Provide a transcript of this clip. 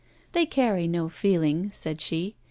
'They carry no feeling,' said she.